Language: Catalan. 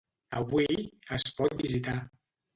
Avui es pot visitar.